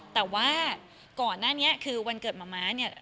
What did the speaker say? แต่ว่าก่อนหน้านี้คือวันเกิดมะม้าเนี่ย